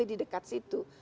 di dekat situ